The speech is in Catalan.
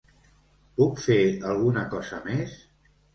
Puc fer alguna cosa més?